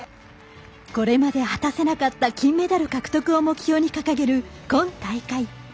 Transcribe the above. これまで果たせなかった金メダル獲得を目標に掲げる今大会。